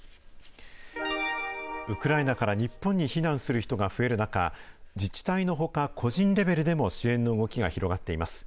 ウクライナから日本に避難する人が増える中、自治体のほか、個人レベルでも支援の動きが広がっています。